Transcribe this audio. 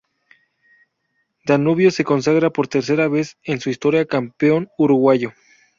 Danubio se consagra por tercera vez en su historia "Campeón Uruguayo".